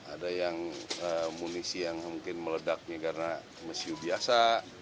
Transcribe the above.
ada yang munisi yang mungkin meledaknya karena mesiu biasa